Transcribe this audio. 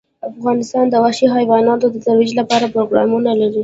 افغانستان د وحشي حیواناتو د ترویج لپاره پروګرامونه لري.